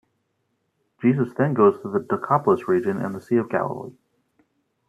Jesus then goes to the Decapolis region and the Sea of Galilee.